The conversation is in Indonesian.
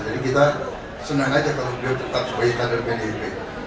jadi kita senang saja kalau tetap sebagai kader pdmp